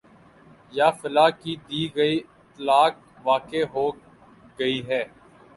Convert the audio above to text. یا فلاں کی دی گئی طلاق واقع ہو گئی ہے